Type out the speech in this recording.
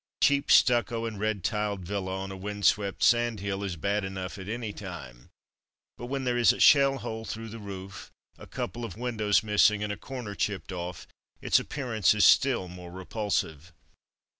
A cheap stucco and red tiled villa on a wind swept sand hill is bad enough at any time, but when there is a shell hole through the roof, a couple of windows missing, and a corner chipped off, its appearance is still more repulsive.